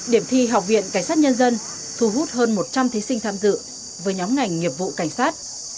điểm thi học viện cảnh sát nhân dân thu hút hơn một trăm linh thí sinh tham dự với nhóm ngành nghiệp vụ cảnh sát